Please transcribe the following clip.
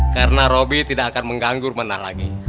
karena robi tidak akan mengganggu rumah nakal lagi